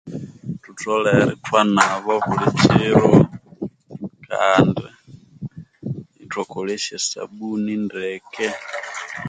Thutholere ithwanaba buli kiro kandi ithwakolesya esabuni ndeke.